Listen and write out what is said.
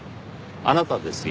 あなたですよ。